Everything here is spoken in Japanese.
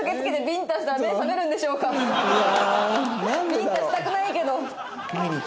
ビンタしたくないけど。